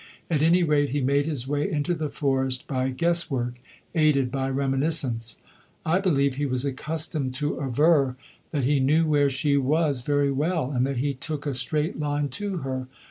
At any rate, he made his way into the forest by guess work, aided by reminiscence. I believe he was accustomed to aver that he "knew where she was very well," and that he took a straight line to her.